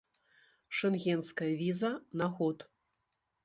Шэнгенская віза на год.